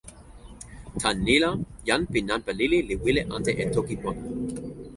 tan ni la, jan pi nanpa lili li wile ante e toki pona.